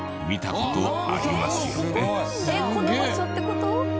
この場所って事？